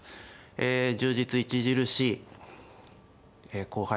え充実著しい後輩です。